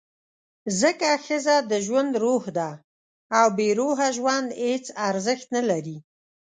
ځکه ښځه د ژوند «روح» ده، او بېروحه ژوند هېڅ ارزښت نه لري.